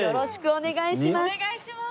お願いします。